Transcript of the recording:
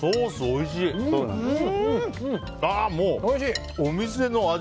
お店の味。